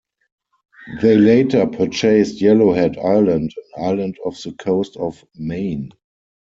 They later purchased Yellowhead Island, an island off the coast of Maine.